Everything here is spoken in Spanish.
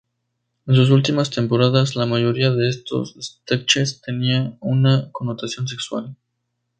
En sus últimas temporadas, la mayoría de estos sketches tenían una connotación sexual.